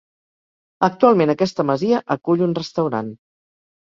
Actualment aquesta masia acull un restaurant.